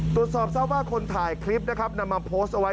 ตรวจสอบว่าคนถ่ายคลิปนำมาโพสต์ไว้